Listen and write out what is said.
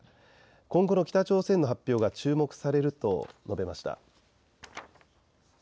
今後の北朝鮮の発表が注目されると述べました。